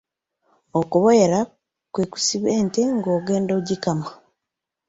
Okuboyera kwe kusiba ente ng'ogenda okugikama